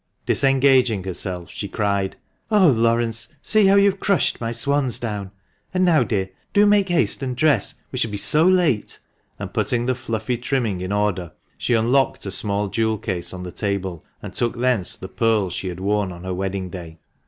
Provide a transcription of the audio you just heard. Disengaging herself, she cried — "Oh, Laurence, see how you have crushed my swansdown! and now, dear, do make haste and dress, we shall be so late," and putting the fluffy trimming in order, she unlocked a small jewel case on the table, and took thence the pearls she had worn on her wedding day.